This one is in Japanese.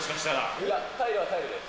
いや、タイルはタイルです。